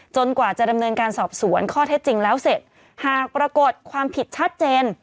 กว่าจะดำเนินการสอบสวนข้อเท็จจริงแล้วเสร็จหากปรากฏความผิดชัดเจน